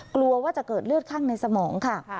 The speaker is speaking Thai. กลัวว่าจะเกิดเลือดข้างในสมองค่ะ